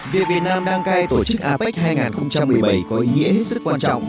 việc việt nam đăng cai tổ chức apec hai nghìn một mươi bảy có ý nghĩa hết sức quan trọng